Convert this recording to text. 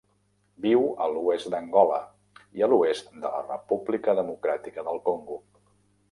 Viu a l'oest d'Angola i l'oest de la República Democràtica del Congo.